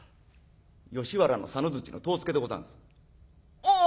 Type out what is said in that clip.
吉原の佐野の藤助でござんす」。